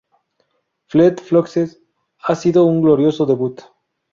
Fleet Foxes ha sido un glorioso debut".